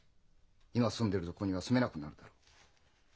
今住んでいる所には住めなくなるだろう。